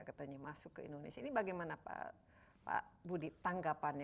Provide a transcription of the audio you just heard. katanya masuk ke indonesia ini bagaimana pak budi tanggapannya karena ini kan pak budi melihatnya begini pak budi